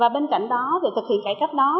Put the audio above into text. bên cạnh đó để thực hiện cải cách đó